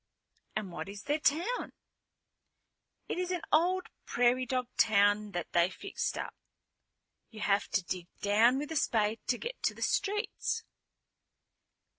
"And what is their town?" "It is an old prairie dog town that they fixed up. You have to dig down with a spade to get to the streets."